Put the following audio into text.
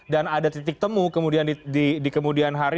dan ada titik temu di kemudian hari